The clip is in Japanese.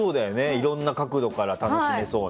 いろんな角度から楽しめそうな。